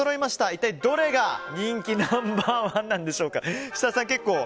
一体どれが人気ナンバー１なんでしょうか。